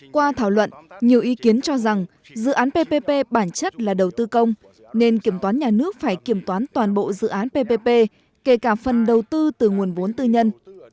qua thảo luận nhiều ý kiến cho rằng dự án ppp bản chất là đầu tư công nên kiểm toán nhà nước phải kiểm toán toàn bộ dự án ppp kể cả phần đầu tư từ nguồn vốn tư nhân